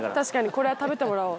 これは食べてもらおう。